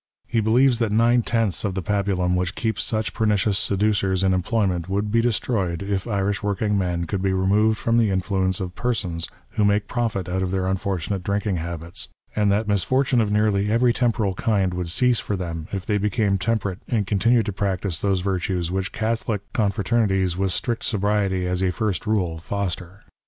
He believes that nine tenths of the pabulum which keeps such pernicious seducers in employ ment would be destroyed if Irish working men could be removed from the influence of persons who make profit out of their unfortunate drinking habits ; and that misfortune of nearly every temporal kind would cease for them, if they became temperate aiid continued to practise ttiose virtues which Cathohc confraternities with strict sobriety as a first rule, foster.